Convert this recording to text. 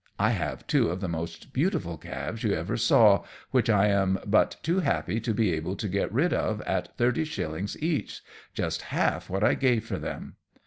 I have two of the most beautiful calves you ever saw, which I am but too happy to be able to get rid of at thirty shillings each just half what I gave for them.